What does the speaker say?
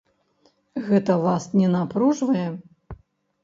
Гэта вас не напружвае?